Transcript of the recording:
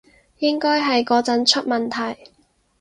應該係嗰陣出問題